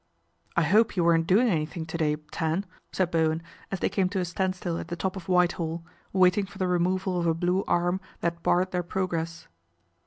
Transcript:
" I hope you weren't doing anything to day, Fan," said Bowen as they came to a standstill at :he top of Whitehall, waiting for the removal of a slue arm that barred their progress.